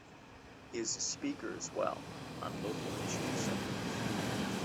He is a speaker as well on local history subjects.